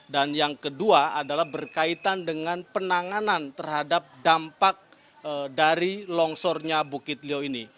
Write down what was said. dan yang kedua adalah berkaitan dengan penanganan terhadap dampak dari longsornya bukit lio ini